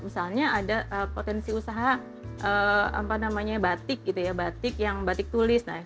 misalnya ada potensi usaha batik batik tulis